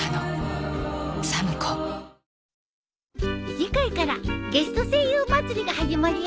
次回からゲスト声優まつりが始まるよ！